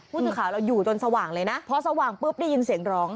ผู้สื่อข่าวเราอยู่จนสว่างเลยนะพอสว่างปุ๊บได้ยินเสียงร้อง